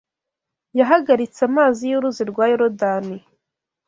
Yahagaritse amazi y’Uruzi rwa Yorodani